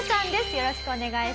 よろしくお願いします。